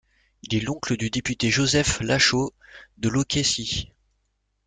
Il est l'oncle du député Joseph Lachaud de Loqueyssie.